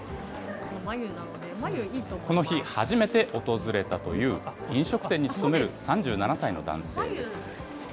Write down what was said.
この日、初めて訪れたという飲食店に勤める３７歳の男性です。